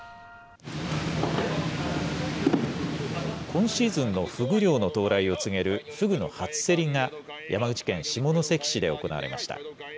今シーズンのフグ漁の到来を告げるフグの初競りが、山口県下関市で行われました。